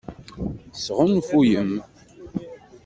Tesɣunfuyem.